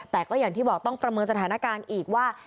แต่ก็อย่างที่บอกต้องประเมินสถานการณ์อีกว่า